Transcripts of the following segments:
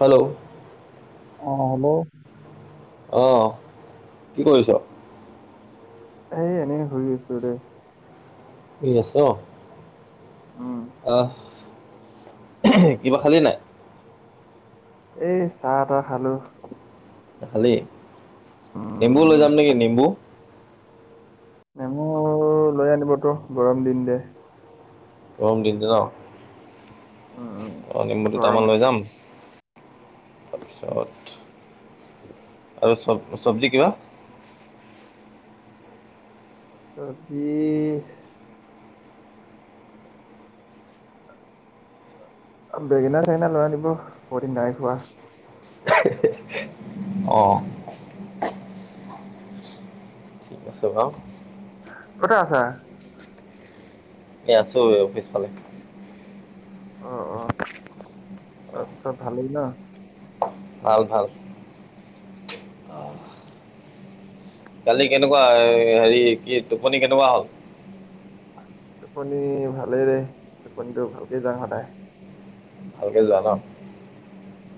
Hello! অঁ hello! অহ কি কৰিছ। এ এনে শুই আছো দেই। শুই আছ। উমঁ! অঁ কিবা খালি নাই? এই চাহ তাহ খালো। খালি নিম্বু লৈ উম যাম নেকি নেম্বু। নেমু লৈ আনিব ত গৰম দিন দে। গৰম দিনটো ন উম উম, অ নিম্বু গৰম দুটামান লৈ যাম। তাৰপিছত- [inaudible] আৰু চ-চব্জি কিবা! চব্জি- বেঙেনা -চেঙেনা লৈ আনিব বহু দিন নাই খোৱা [unintelligible] অৱ। কেচু গাওঁ। ক'ত হে আছা? এই আছোঁ পিছফালে। অ অ, চ'ব ভালেই ন! ভাল ভাল। [unintelligible] কালি কেনেকুৱা এ হেৰি কি টোপনি কেনেকুৱা হ'ল? টোপনি ভালেই দেই, টোপনিটো ভালকে যাওঁ সদায়। ভালকে জোৱা ন!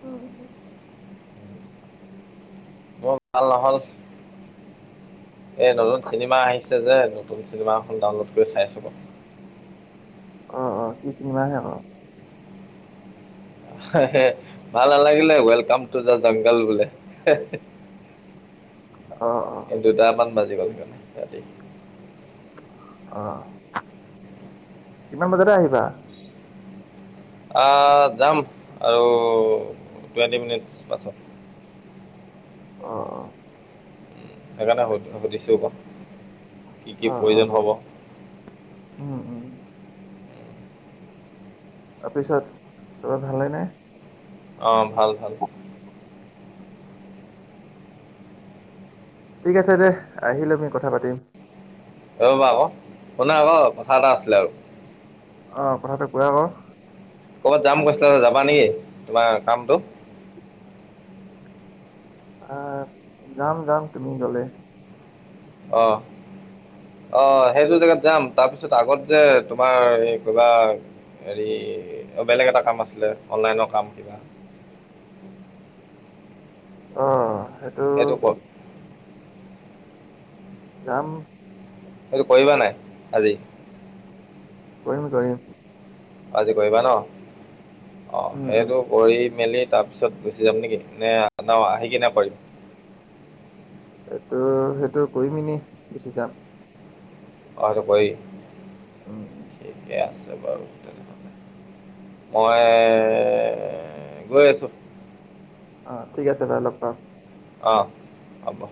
উম। অ নহ'ল। এ নতুন চিনেমা আহিছে যে নতুন চিনেমা এখন ডাউনলোড কৰি চাই ক। অ অ কি চিনেমাহে ক? ভাল নালাগিলে, ওৱেলকাম টু দা জংঘল বোলে। অৱ অৱ। এ দুটামান বাজি গ'ল মানে ৰাতি। অ কিমান বজাতে আহিবা। আহ, যাম আৰু টুৱেণ্টি মিনিটছ পাছত। অ অ। সেইকাৰণে সুধিছো ক, কি অ কি অ অ প্ৰয়োজন হ'ব! উম উম। তাৰপিছত চবে ভালে নে? অৱ ভাল ভাল। ঠিক আছে দে, আহিলে আমি কথা পাতিম। দৌৰ মাৰা আকৌ, শুনা আকৌ কথা এটা আছিলে আৰু। অৱ কথাটো কোৱা আক। ক'ৰবাত যাম কৈছিলা যাবা নেকি? তোমাৰ কামটো। আহ, যাম যাম তুমি গ'লে। অহ। অ সেইটো জেগাত যাম তাৰপিছত আগত যে তোমাৰ এই কিবা হেৰি বেলেগ এটা কাম আছিলে, অনলাইনৰ কাম কিবা। অৱ, সেইটোত [unintelligible] যাম। সেইটো কৰিবা নাই আজি? কৰিম কৰিম। আজি কৰিবা ন, অ উম উম। সেইটো কৰি মেলি তাৰপিছত গুচি যাম নেকি! নে আহি কিনে কৰিম। এইটো সেইটো কৰিম এনে গুচি যাম। অ সেইটো কৰি, উম উম। ঠিকে আছে। [unintelligible] মই গৈ আছোঁ। অৱ ঠিক আছে লৈ লগ পাম। অৱ, হ'ব।